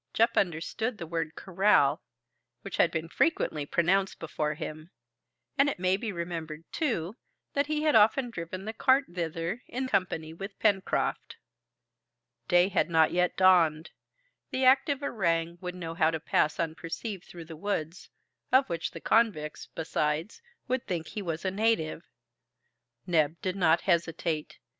Jup understood the word corral, which had been frequently pronounced before him, and it may be remembered, too, that he had often driven the cart thither in company with Pencroft. Day had not yet dawned. The active orang would know how to pass unperceived through the woods, of which the convicts, besides, would think he was a native. Neb did not hesitate.